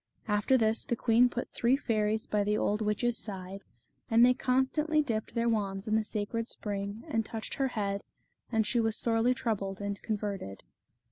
After this the queen put three fairies by the old witch's side, and they constantly dipped their wands in the sacred spring, and touched her head, and she was sorely troubled and converted.